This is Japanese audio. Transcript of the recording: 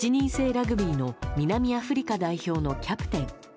ラグビーの南アフリカ代表のキャプテン。